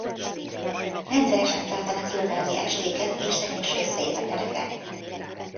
Rendszeresen tartanak irodalmi estéket és zenés összejöveteleket.